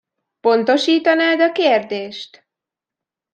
Pontosítanád a kérdést?